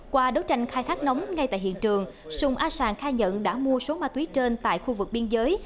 qua đấu tranh khai thác nóng ngay tại hiện trường sùng a sàn khai nhận đã mua số ma túy trên tại khu vực biên giới